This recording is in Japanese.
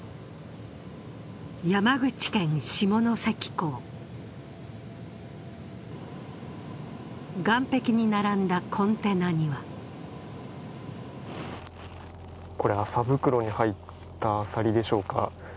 山口県下関港、岸壁に並んだコンテナにはこれ、麻袋に入ったアサリでしょうか。